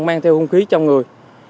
mang theo hung khí trong người